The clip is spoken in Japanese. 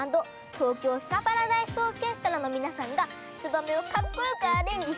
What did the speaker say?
東京スカパラダイスオーケストラのみなさんが「ツバメ」をかっこよくアレンジしてくださいました！